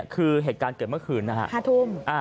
คือเหตุการณ์เกิดเมื่อคืนนะฮะ๕ทุ่ม